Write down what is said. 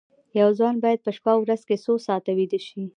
یو ځوان باید په شپه او ورځ کې څو ساعته ویده شي